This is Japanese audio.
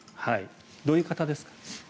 どういう方ですか？